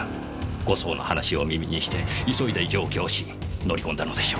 護送の話を耳にして急いで上京し乗り込んだのでしょう。